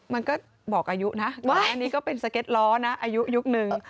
มันก็บอกอายุนะก่อนอันนี้ก็เป็นสเก็ตล้อนะอายุยุคนึง